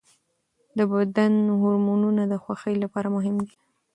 د بدن هورمونونه د خوښۍ لپاره مهم دي.